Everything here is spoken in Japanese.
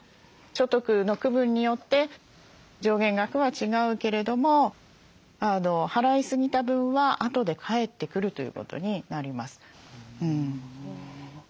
所得の区分によって上限額は違うけれども払いすぎた分はあとで返ってくるということになります。